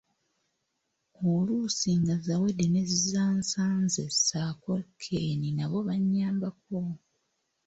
Oluusi nga Zaawedde ne Zansanze ssaako Ken nabo bannyambako.